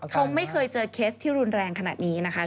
คงไม่เคยเจอเคสที่รุนแรงขนาดนี้นะคะ